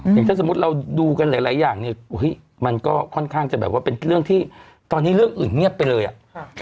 อย่างถ้าสมมุติเราดูกันหลายอย่างเนี่ยมันก็ค่อนข้างจะแบบว่าเป็นเรื่องที่ตอนนี้เรื่องอื่นเงียบไปเลยอ่ะ